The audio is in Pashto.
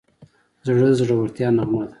زړه د زړورتیا نغمه ده.